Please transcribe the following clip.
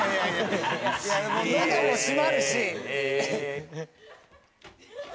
「のども締まるし」